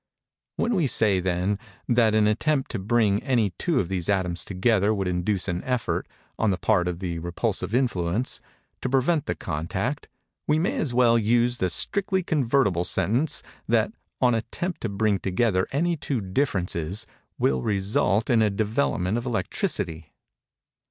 When we say, then, that an attempt to bring any two of these atoms together would induce an effort, on the part of the repulsive influence, to prevent the contact, we may as well use the strictly convertible sentence that an attempt to bring together any two differences will result in a development of electricity.